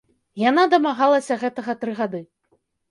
Яна дамагалася гэтага тры гады.